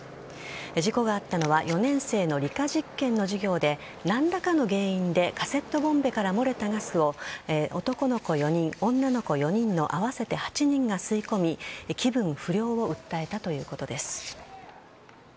事故があったのは４年生の理科実験の授業で何らかの原因でカセットボンベから漏れたガスを男の子４人、女の子４人の合わせて８人が吸い込み気分不良を訴えたということです。